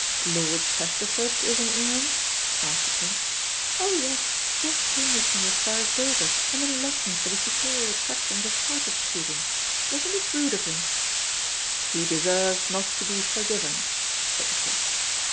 "Lord Chesterford is in England?" asked the Prince. "Oh, yes, Jack came with me as far as Dover, and then he left me for the superior attractions of partridge shooting. Wasn't it rude of him?" "He deserves not to be forgiven," said the Prince.